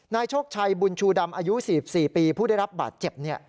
โชคชัยบุญชูดำอายุ๔๔ปีผู้ได้รับบาดเจ็บ